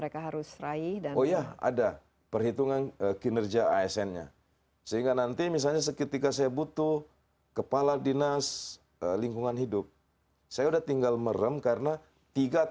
karena iya adalah prioritas